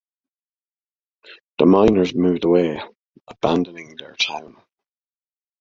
The miner's moved away, abandoning their town.